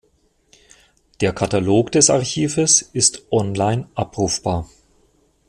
Der Katalog des Archives ist online abrufbar.